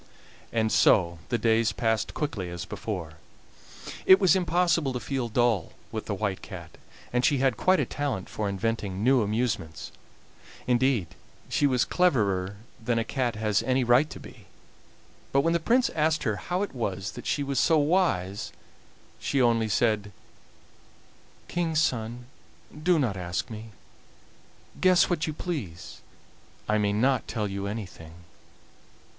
And so the days passed quickly as before; it was impossible to feel dull with the White Cat, and she had quite a talent for inventing new amusements indeed, she was cleverer than a cat has any right to be. But when the Prince asked her how it was that she was so wise, she only said: "King's son, do not ask me; guess what you please. I may not tell you anything."